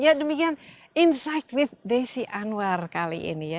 ya demikian insight with desi anwar kali ini ya